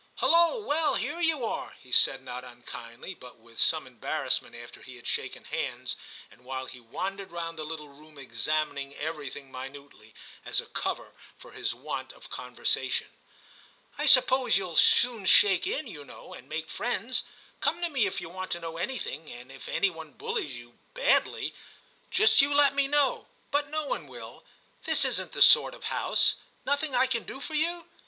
* Hulloa, well, here you are,' he said not unkindly, but with some embarrassment, after 90 TIM CHAP. he had shaken hands, and while he wandered round the little room examining everything minutely, as a cover for his want of conver sation. * I suppose you*ll soon shake in, you know, and make friends. Come to me if you want to know anything, and if any one bullies you — badly — just you let me know ; but no one will : this isn't the sort of house. Nothing I can do for you?'